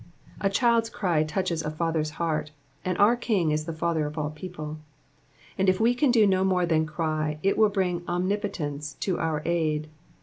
A child's cry touches a father's heart, and our King is the Father of his people. If we can do no more than cry it will bring omnipotence to our aid.